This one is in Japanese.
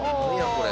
これ。